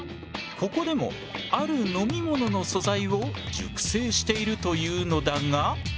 ここでもある飲み物の素材を熟成しているというのだが。